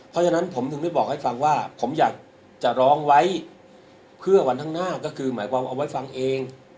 เพราะฉะนั้นผมถึงได้บอกให้ฟังว่าผมอยากจะร้องไว้เพื่อวันข้างหน้าก็คือหมายความเอาไว้ฟังเอง